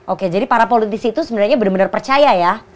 oke jadi para politisi itu sebenarnya benar benar percaya ya